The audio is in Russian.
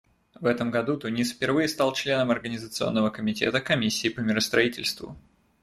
В этом году Тунис впервые стал членом Организационного комитета Комиссии по миростроительству.